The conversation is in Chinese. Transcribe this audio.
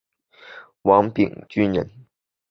王秉鋆人。